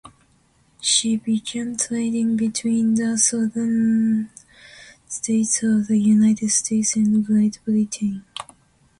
She began trading between the southern states of the United States and Great Britain.